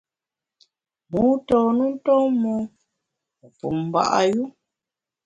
Mû tôn u nton mon, wu pum mba’ yu.